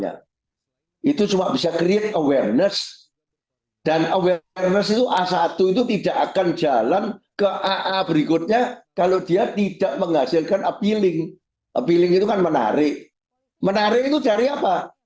kompetisi menjadi tidak terbatas dengan merek serupa